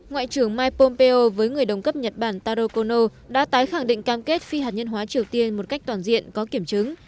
ngoại trưởng mike pompeo với người đồng cấp nhật bản taro kono đã tái khẳng định cam kết phi hạt nhân hóa triều tiên một cách toàn diện có kiểm chứng